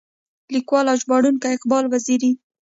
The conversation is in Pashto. ليکوال او ژباړونکی اقبال وزيري.